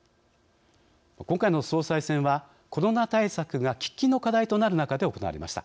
今回の総裁選はコロナ対策が喫緊の課題となる中で行われました。